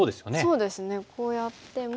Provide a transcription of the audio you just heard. そうですねこうやっても。